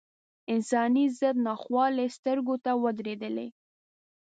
انساني ضد ناخوالې سترګو ته ودرېدلې.